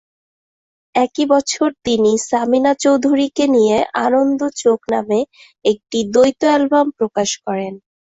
একই বছর তিনি সামিনা চৌধুরীকে নিয়ে "আনন্দ চোখ" নামে একটি দ্বৈত অ্যালবাম প্রকাশ করেন।